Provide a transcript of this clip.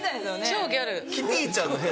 超ギャル。